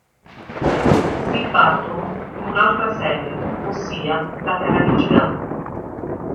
Steve Burton in un'altra serie, ossia "La terra dei giganti".